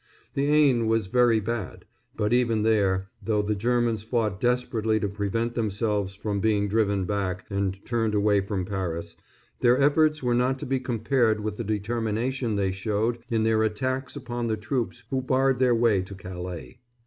The Aisne was very bad; but even there, though the Germans fought desperately to prevent themselves from being driven back and turned away from Paris, their efforts were not to be compared with the determination they showed in their attacks upon the troops who barred their way to Calais.